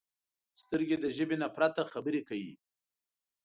سترګې د ژبې نه پرته خبرې کوي